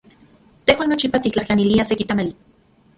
Tejuan nochipa tiktlajtlaniliaj seki tamali.